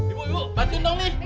ibu ibu bantuin dong nih